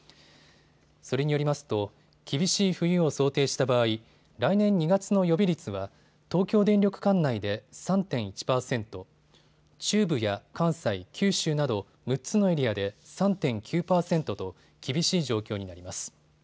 それによりますと厳しい冬を想定した場合、来年２月の予備率は東京電力管内で３．１％、中部や関西、九州など６つのエリアで３．９％と厳しい状況になります。